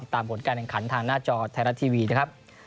ผลการแข่งขันทางหน้าจอไทยรัฐทีวีนะครับ